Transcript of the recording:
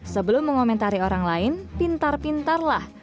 sebelum mengomentari orang lain pintar pintarlah